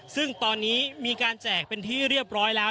ซึ่งตอนนี้มีการแจกเป็นที่เรียบร้อยแล้ว